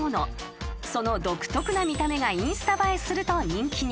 ［その独特な見た目がインスタ映えすると人気に］